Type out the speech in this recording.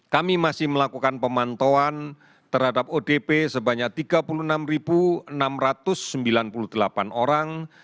kami masih melakukan pemantauan terhadap odp sebanyak tiga puluh enam enam ratus sembilan puluh delapan orang